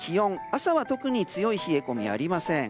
朝は特に強い冷え込みはありません。